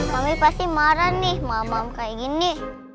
kami pasti marah nih malem malem kayak gini